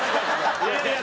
いやいや。